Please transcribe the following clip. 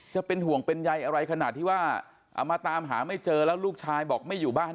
จะเป็นห่วงเป็นใยอะไรขนาดที่ว่ามาตามหาไม่เจอแล้วลูกชายบอกไม่อยู่บ้าน